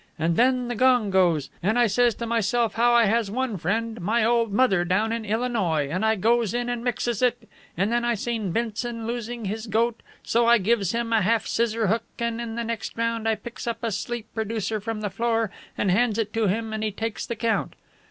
And then the gong goes, and I says to myself how I has one friend, my old mother down in Illinois, and I goes in and mixes it, and then I seen Benson losing his goat, so I gives him a half scissor hook, and in the next round I picks up a sleep producer from the floor and hands it to him, and he takes the count.'